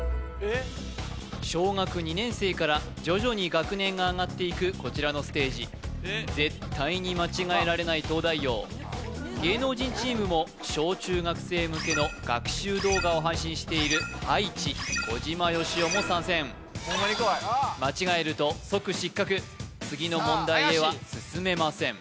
小学２年生から徐々に学年が上がっていくこちらのステージ絶対に間違えられない東大王芸能人チームも小中学生向けの学習動画を配信している葉一小島よしおも参戦ホンマに怖い間違えると即失格次の問題へは進めません